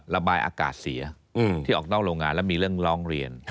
ระบายอากาศเสียที่ออกนอกโรงงานแล้วมีเรื่องร้องเรียน